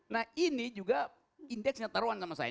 nah ini juga indeksnya taruhan sama saya